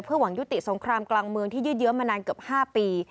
หวังยุติสงครามกลางเมืองที่ยืดเยอะมานานเกือบ๕ปี